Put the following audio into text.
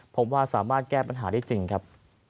พบว่าสามารถแก้ปัญหาได้จริงครับ